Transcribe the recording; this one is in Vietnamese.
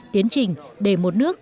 tiến trình để một nước